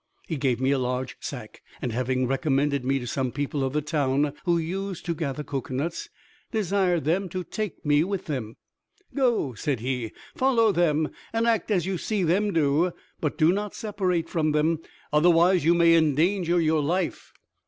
He gave me a large sack, and having recommended me to some people of the town, who used to gather cocoanuts, desired them to take me with them. "Go," said he, "follow them, and act as you see them do; but do not separate from them, otherwise you may endanger your life."